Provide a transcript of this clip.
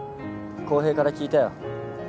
公平から聞いたよ。